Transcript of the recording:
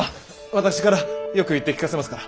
私からよく言って聞かせますから！